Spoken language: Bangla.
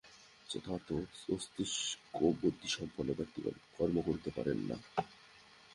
যথার্থ আস্তিক্যবুদ্ধিসম্পন্ন ব্যক্তিগণ কর্ম করিতে পারেন না।